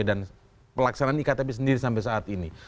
dan pelaksanaan iktp sendiri sampai saat ini